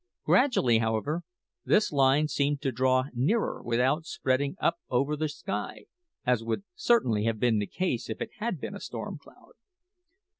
Gradually, however, this line seemed to draw nearer without spreading up over the sky, as would certainly have been the case if it had been a storm cloud.